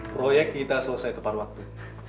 proyek kita selesai tepat waktu